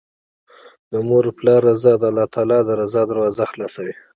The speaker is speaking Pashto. د مور او پلار رضا د الله تعالی د رضا دروازې خلاصوي